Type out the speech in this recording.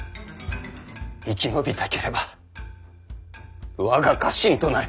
生き延びたければ我が家臣となれ。